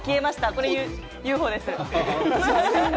これＵＦＯです。